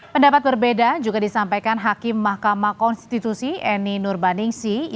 pendapat berbeda juga disampaikan hakim mahkamah konstitusi eni nurbaningsi